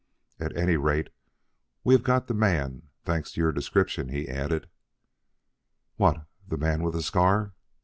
"At any rate we have got the man, thanks to your description," he added. "What, the man with the scar?"